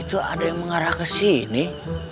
itu ada yang mengarah kesini